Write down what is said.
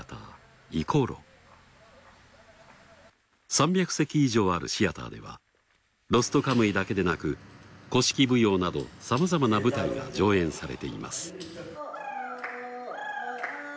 ３００席以上あるシアターでは『ロストカムイ』だけでなく古式舞踊などさまざまな舞台が上演されています。